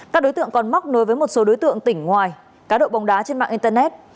các đối tượng còn móc nối với một số đối tượng tỉnh ngoài cá độ bóng đá trên mạng internet